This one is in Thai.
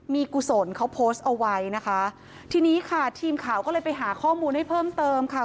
มีกุศลเขาโพสต์เอาไว้นะคะทีนี้ค่ะทีมข่าวก็เลยไปหาข้อมูลให้เพิ่มเติมค่ะ